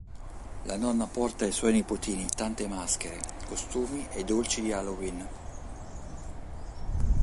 La nonna porta ai suoi nipotini tante maschere, costumi e dolci di Halloween.